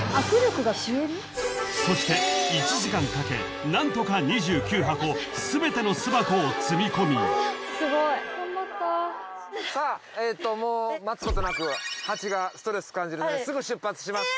［そして１時間かけ何とか２９箱全ての巣箱を積み込み］さあもう待つことなくハチがストレス感じるのですぐ出発します。